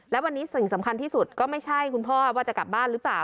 และวันนี้สิ่งสำคัญที่สุดก็ไม่ใช่คุณพ่อว่าจะกลับบ้านหรือเปล่า